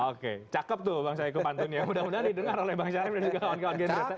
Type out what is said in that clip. oke cakep tuh bang saiku pantun ya mudah mudahan didengar oleh bang syarif dan juga kawan kawan gerindra